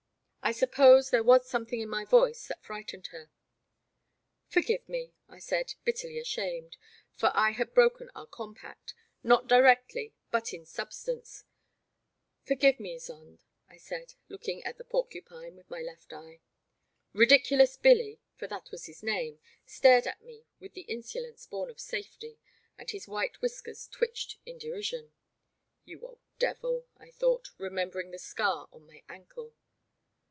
I suppose there was something in my voice that frightened her. Forgive me," I said, bitterly ashamed, for I had broken our compact, not directly, but in sub 138 The Black Water. stance. " Forgive me, Ysonde," I said, looking at the porcupine with ray left eye. " Ridiculous Billy,*' for that was his name, stared at me with the insolence bom of safety, and his white whiskers twitched in derision. You old devil,'* I thought, remembering the scar on my ankle.